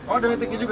oh ada matic nya juga